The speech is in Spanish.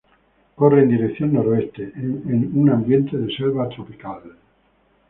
Corre en dirección noreste, en un ambiente de selva tropical.